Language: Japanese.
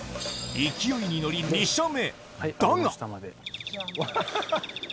勢いに乗り、２射目。